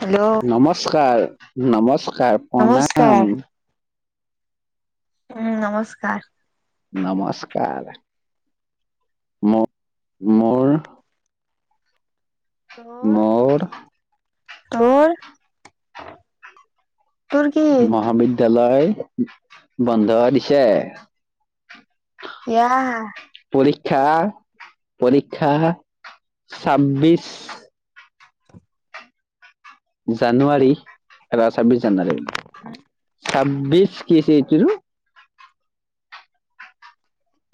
Hello নমস্কাৰ - নমস্কাৰ। প্ৰণাম, নমস্কাৰ। উম নমস্কাৰ। নমস্কাৰ। মো- মোৰ মোৰ মোৰ। তোৰ কি? মহাবিদ্যালয় বন্ধ দিছে। ইয়াহ। পৰীক্ষা- পৰীক্ষা, ছাব্বিশ জানুৱাৰী। এবা ছাব্বিছ জানুৱাৰীত। ছাব্বিশ কি হৈছে এইটোৰো?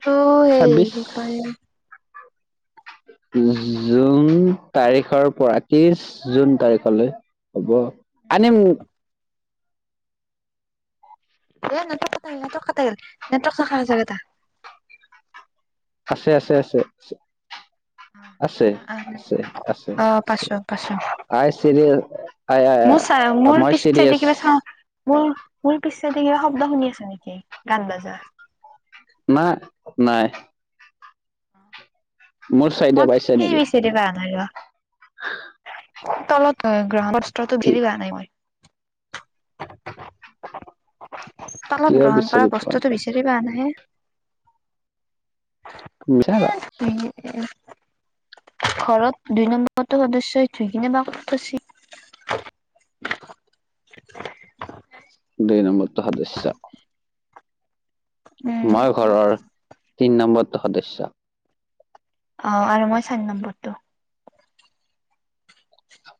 তোৰ হেই ছাব্বিশ কি কয় জুন তাৰিখৰ পৰা ত্ৰিশ জুন তাৰিখলৈ হ'ব। আনিম। এ নেটক কাটা গেল। নেটৱক কাটা গেল। নেটৱৰ্ক [unintelligible] আছে, আছে, আছে, আছে। আহ। আছে, অ', আছে, আছে, অ', আছে। পাইছোঁ পাইছোঁ আই চিৰিয়ে আই মোৰ চা আই মোৰ মই পিছ চাইডে চিৰিয়েছ। কিবা চাওঁ মোৰ মোৰ পিছচাইদে কিবা শব্দ শুনি আছা নেকি গান বাজা? মা নাই। মোৰ চাইডে তাত পাইছে কি নেকি বিচাৰি পোৱা নাই যোৱা। তলত গাম অস্ত্ৰতো কি ধিৰে পৰা নাই। তলত কিয় গৰম কৰা বিচাৰি পোৱা বস্তুটো বিচাৰি পোৱা নাই হে। বিচাৰিলোঁৱা। ঘৰত দুই নম্বৰটো সদস্য ধুই কিনে বা ক'ত থৈয়ছি। দুই নম্বৰটো সদস্য উম। মই ঘৰৰ তিন নম্বৰটো সদস্য। অ' আৰু মই চাৰি নম্বৰটো।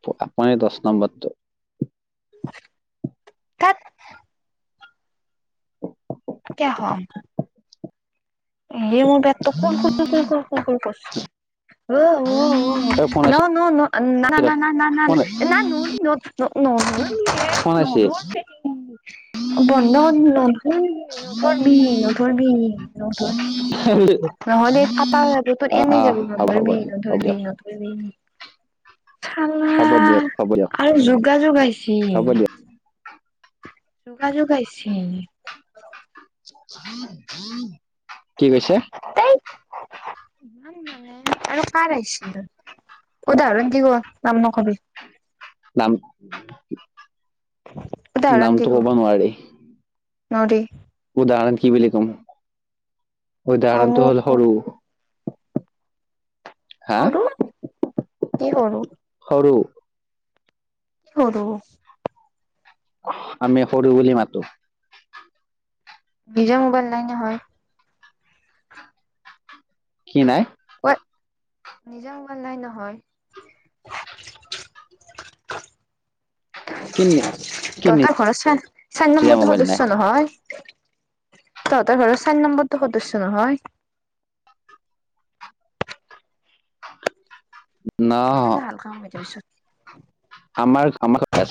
টো আপুনি দশ নম্বৰটো। ঠাত। কিয়া খোৱাম? এ মোৰ পেটটো কুৰ, কুৰ, কুৰ, কুৰ, কুৰ, কুৰ কৰিছে এও অ' অ' অ'। তই ফোন আইছি ৰ ফোন ফোন আইছি [unintelligible] বন্ধ কৰি নকৰিবি, নকৰিবি, নকৰিবি। নহলি কাটা যাবো তোৰ অ অ এনেই যাবো হ'ব হ'ব নধৰবি দিয়ক হ'ব নধৰবি। দিয়ক নধৰিবি। খালা হ'ব দিয়ক হ'ব দিয়ক আৰু যোগা যোগ আহিছি। হ'ব দিয়ক যোগা যোগ আইছি। কি কৈছে? কাম মানে আৰু কাৰ আহিছিল। উদাহৰণ দি ক'ৰ নাম নকবি। নাম উদাহৰণ নামটো দি ক'ব ক'ৰ নোৱাৰি নোৱাৰি। উদাহৰণ কি বুলি ক'ম, উদাহৰণটো অমুক হ'ল সৰু হা সৰু, কি সৰু? সৰু কি সৰু? আমি সৰু বুলি মাতোঁ। নিজৰ মোবাইল নাই নহয়। কি নাই? ঐ নিজা মোবাইল নাই নহয়। [unintelligible] কি তহঁতৰ ঘৰৰ চাৰি নিজা নম্বৰটো মোবাইল নাই সদস্য নহয়। তহঁতৰ ঘৰৰ চাৰি নম্বৰটো সদস্য নহয়। ন আধা হালকা হৈ যাবি চত আমাৰ আমাৰ [unintelligible]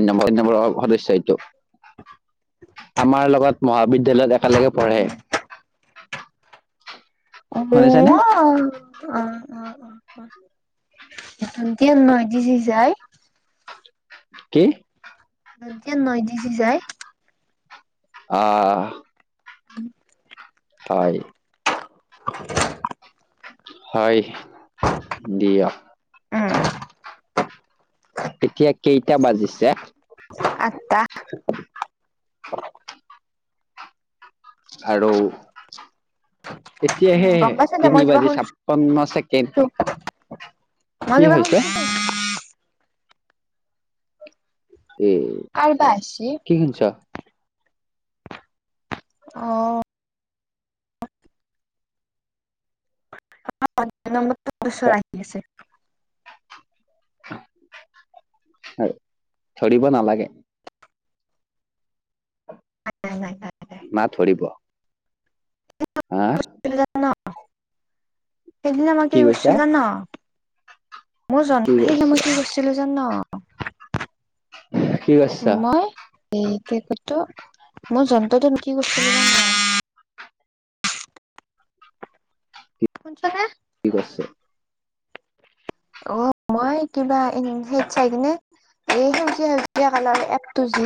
সদস্য এইটো আমাৰ লগত মহাবিদ্যালয়ত একেলগে পাবি পঢ়ে। বৌৱ শুনিছানে অ' অ' অ' অ' অতি নয় দি যি যাই কি? এতিয়া নৈ দি যে যাই। অ'। [inaudible] হয়। [unintelligible] হয় দিয়া। এতিয়া কেইটা বাজিছে? আঠটা। আৰু উম এতিয়াহে গম পাইছা দে মই তিনি কিবা বাজি শুনছো ছাপন্ন ছেকেণ্ড। কি হৈছে [unintelligible] উম। কাৰবা আছে? কি শুনিছা? অ'। [inaudible] বছৰ আহি আছে। ধৰিব নালাগে। [inaudible] মা ধৰিব। হা? সেইদিনা ন, সেইদিনা মাকে কি কৈছা গৈছিল ন। মোৰ জন কি সেইদিনা কৈছা মই কি কৰিছিলোঁ জান? কি কৈছা [unintelligible] মোৰ যন্ত্ৰটোন কি কৰিছিলোঁ জান? শুনিছানে? কি কৰচে? অ' মই কিবা সেইত চাই কিনে। এই সেউজীয়া সেউজীয়া কালাৰ এপটো যে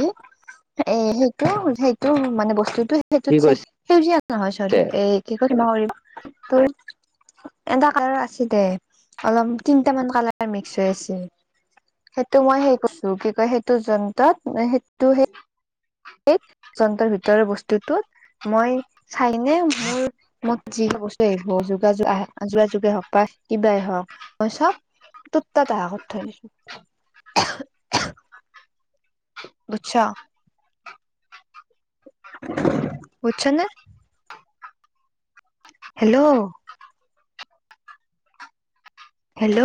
এ সেইটো সেইটো মানে বস্তুতো কি সেইটোত চাগ কৰিছে সেউজীয়া নহয় চৰি। এই [unintelligible] তোৰ এটা কালাৰ আছিলে অলপ। তিনটা মন কালাৰ মিক্স হৈ আছে। সেইটো মই সেই কৰছো কি কয় সেইটো যন্ত্ৰত সেইটো সেই যন্ত্ৰৰ ভিতৰৰ বস্তুটোত মই চাই কেনে মোৰ মই যি বস্তু যোগাযোগ আহা, যোগাযোগে হওক বা কিবাই হওঁক। মই চব ত'ত [unintelligible] থৈ দিছো। বুজছা? বুজছা নে? [inaudible] হেল্ল'! [inaudible] হেল্ল'!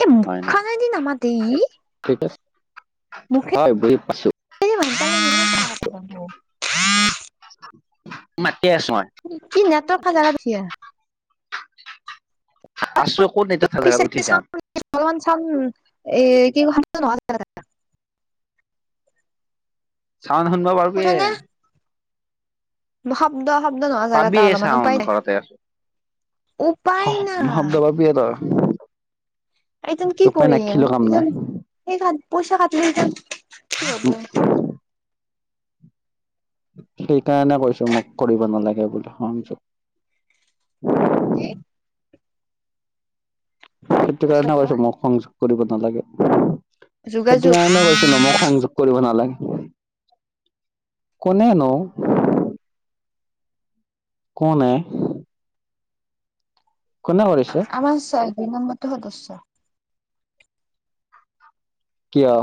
এই হয় নেকি মুখখানেদি নামাতে ই। ঠিক আছে, মুখে হয় বুজি পাইছো। [unintelligible] মাতিয়ে আছো মই। কি নেটৱৰ্ক থাকা জাগাত উঠি আহ। আছোৱে, ক'ত নেটৱৰ্ক থকা পিছে জেগাত উঠি যাম। [inaudible] চাউন্ড শুনবা পাৰবি এ। শুনিছনে শব্দ, শব্দ নহয় পাবিয়ে চাউণ্ড, ঘৰতে আছোঁ। উপায় নাই শব্দ পাবিয়ে তই। এইটোন কি উপায় নাই কৰিম? খিলো কাম নাই। এই পইচা কাটলি ইটেন কি হ'ব? সেইকাৰণে কৈছোঁ মোক কৰিব নালাগে বুলি সংযোগ। কি? সেটো কাৰণে কৈছো মোক সংযোগ কৰিব নালাগে। সেইটো যোগাযোগ কাৰণে কৈছোঁ। ছিলো মোক সংযোগ কৰিব নালাগে। কোনে নো কোন এ? কোনে কৰিছে? আমাৰ ছয়, দুই নম্বৰটো সদস্য। কিয়?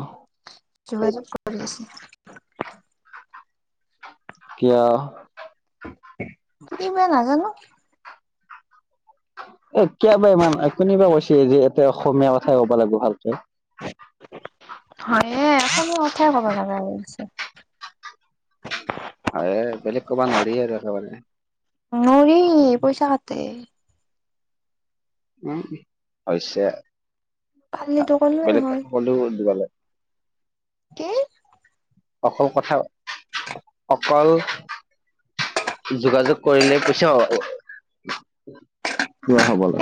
যোগাযোগ [unintelligible] আচি। কিয়? কিয় বা নাজানো। এ কিয়াবা ইমান, কোনিবা কৈছি যে এতে অসমীয়া কথাই ক'ব লাগব ভালকে। হয়ে, অসমীয়া কথাই ক'বা লাগা হৈছি। হয়ে। বেলেগ ক'বা নোৱাৰি আৰু একেবাৰে। নৰি, পইচা কাটে। উম। হৈছে পাৰিলেতো আৰ, ক'লোৱে বেলেগ হয় ক'লেও দিব ল কি? অকল কথা, অকল যোগাযোগ কৰিলেই পইছা পাবা।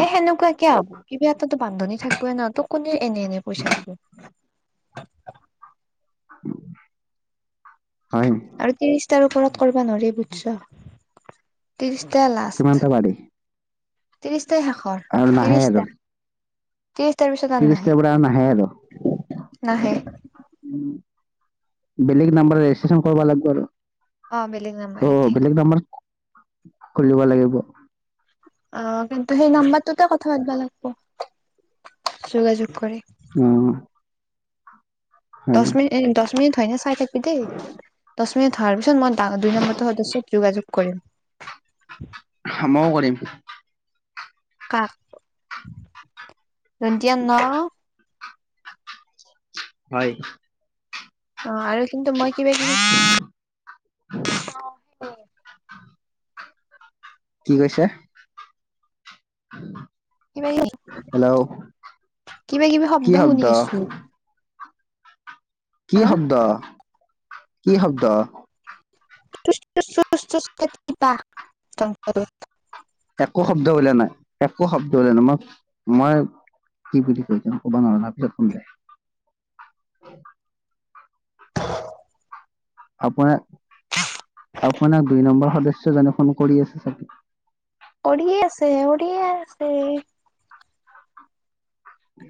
এ সেনেকুৱা কিয়া হ'ব? কিবা এটাতো বান্ধনী থাকৱে ন' তোক কোনে এনে এনে পইচা দিব। হয়। আৰু ত্ৰিশ তাৰ ওপৰত কৰ'বা নৰি। বুটছ'? ত্ৰিশটা লাষ্ট, কিমানটা পাৰি ত্ৰিশটাই শেষৰ। আৰু নাহে আৰু। ত্ৰেশতাৰ পিছত আৰু নাহে ত্ৰিশটাৰ পৰা আৰু নাহে আৰু। নাহে উম। বেলেগ নাম্বাৰে ৰেজিষ্ট্ৰেশচন কৰবা লাগব' আৰু। বেলেগ নাম্বাৰ এ অ', বেলেগ নাম্বাৰ কৰি লবা লাগিব। অ', কিন্তু সেই নাম্বাৰটোতে কথা পাতবা লাগব, যোগাযোগ কৰি। উম। দচ মিনিট এ দচ মিনিট হয় নে চাই থাকবি দেই। দচ মিনিট হোৱাৰ পিছত মই দুই নম্বৰটো সদস্যত যোগাযোগ কৰিম। ময়ো কৰিম। কাক? দন্টিয়া ন' হয়। অ' আৰু কিন্তু মই কিবা কিবি [unintelligible] [unintelligible] [unintelligible] কি কৈছা? কিবা কিবি, কিবা কিবি শব্দ শুনি আছোঁ? কি শব্দ? কি শব্দ? [unintelligible] একো শব্দ ওলোৱা নাই, একো শব্দ ওলোৱা নাই মই মই কি বুলি কয় জ ক'ব নোৱাৰো তাৰপিছত কম দে। আপোনাক আপোনাক দুই নম্বৰ সদস্য জনে ফোন কৰি আছে চাগে। কৰিয়ে আছে, কৰিয়ে আছে। উম।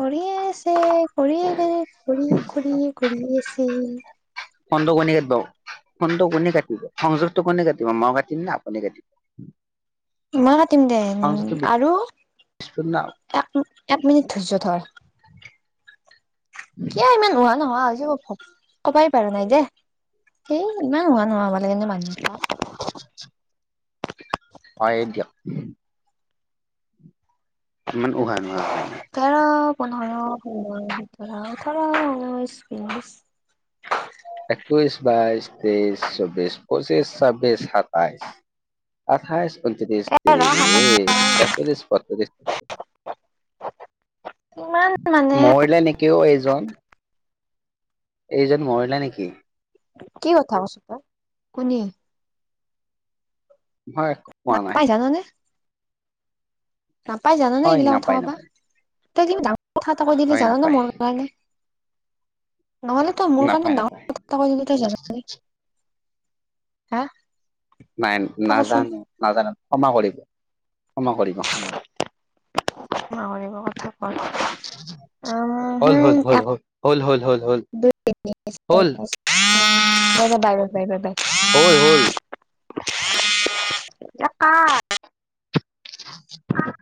কৰিয়ে আছে, কৰিয়ে কৰি কৰি কৰি আছে। ফোনটো কোনে কাটিব, ফোনটো কোনে কাটিব সংযোগটো কোনে কাটিব মই কাটিম নে আপুনি কাটিব? [inaudible] মই কাটিম দে সংযোগটো আৰু বিস্পন্ন এক এক মিনিট ধৈয্য ধৰ। কিয়া ইমান নোহোৱা নোহোৱা হৈছে ক'বাই পাৰা নাই দে। সেই ইমান উশাহ নোহোৱা হ'ব লাগেনে মানুহবিলাক। হয় দিয়ক। ইমান উশাহ নোহোৱা হয় নে? তেৰ, পোন্ধৰ, ষোল্ল, সোতৰ, ওঠৰ, ঊনৈশ, বিশ। একৈশ বাইশ তেইশ চব্বিশ পচিছ ছাব্বিশ সাতাইশ। আঠাইশ, ঊনত্ৰিশ, এ ৰ হাতত ত্ৰিশ, একত্ৰিশ, বত্ৰিশ। ইমান মানে মৰিলে নেকি অ', এইজন? এইজন মৰিলে নেকি? কি কথা কৈছ' তই, কোনে? মই একো কোৱা নাই। নাপাই জাননে নাপাই জানানে হয় এইগিলা কথা নাপায় ক'বা। নাপায়, তই কিন্তু ডাঙৰ কথা এটা কৈ দিলি হয় জান নে নাপায়, মোৰ কাৰণে নহ'লে তই মোৰ কাৰণে নাপায় ডাঙৰ নাপায়। কথা এটা কৈ দিলি তই জাননে হা? নাই তই কচোন নাজানো, নাজানো ক্ষমা কৰিব, ক্ষমা কৰিব। ক্ষমা কৰিব কথা কয়। হয়। হ'ল, হ'ল, হ'ল, হ'ল, হ'ল, হ'ল, হ'ল, হ'ল, দুই বাই হ'ল। বাই বাই, বাই, বাই। হয়, হ'ল। এ কাট। [unintelligible]